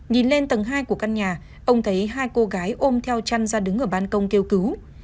nhìn lên tầng hai của căn nhà ông thấy hai cô gái ôm theo chăn ra đứng ở ban công kêu cứu